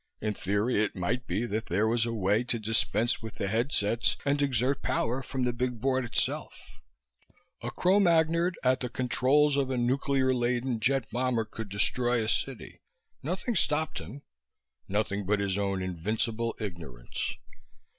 In theory it might be that there was a way to dispense with the headsets and exert power from the big board itself. A Cro Magnard at the controls of a nuclear laden jet bomber could destroy a city. Nothing stopped him. Nothing but his own invincible ignorance.